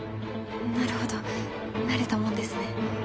なるほど慣れたもんですね。